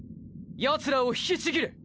ヤツらを引きちぎれ！！